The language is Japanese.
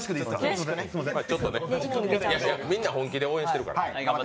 みんな本気で応援してるから。